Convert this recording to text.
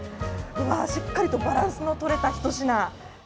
しっかりとバランスのとれたひと品。